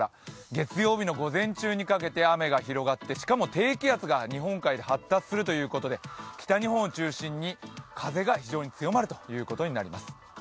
月曜日の午前中にかけて雨が広がってしかも低気圧が日本海で発達するということで北日本を中心に、風が非常に強まるということになります。